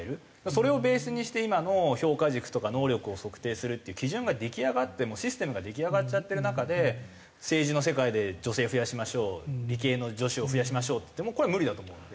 それをベースにして今の評価軸とか能力を測定するっていう基準が出来上がってもうシステムが出来上がっちゃってる中で政治の世界で女性増やしましょう理系の女子を増やしましょうって言ってもこれは無理だと思うので。